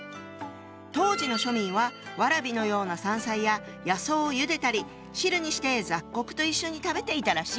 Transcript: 当時の庶民はワラビのような山菜や野草をゆでたり汁にして雑穀と一緒に食べていたらしいの。